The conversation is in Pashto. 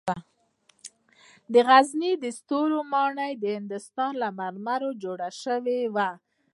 د غزني ستوري ماڼۍ د هندوستان له مرمرو جوړه وه